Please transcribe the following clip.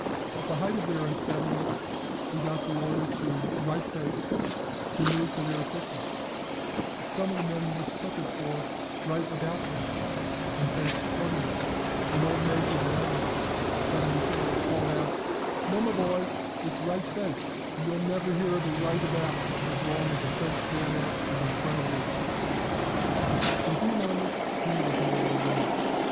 At the height of their unsteadiness we got the order to 'right face' to move to their assistance; some of the men mistook it for 'right about face,' and faced accordingly, when old Major M'Laine, 73d, called out, 'No, my boys, its "right face;" you'll never hear the right about as long as a French bayonet is in front of you!' In a few moments he was mortally wounded.